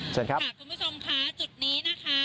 เชิญครับค่ะคุณผู้ชมค่ะจุดนี้นะคะ